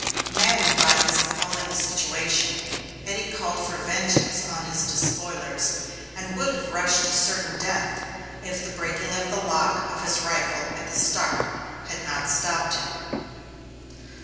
Maddened by his appalling situation, Eddy called for vengeance on his despoilers, and would have rushed to certain death, if the breaking of the lock of his rifle at the start had not stopped him.